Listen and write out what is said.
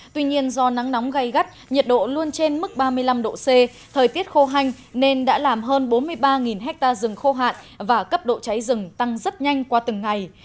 tuy nhiên do nắng nóng gây gắt nhiệt độ luôn trên mức ba mươi năm độ c thời tiết khô hanh nên đã làm hơn bốn mươi ba ha rừng khô hạn và cấp độ cháy rừng tăng rất nhanh qua từng ngày